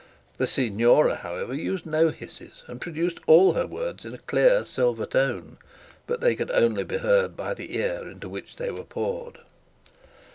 The signora however used no hisses, and produced all her words in a clear silver tone, but they could only be heard by the ear into which they were poured.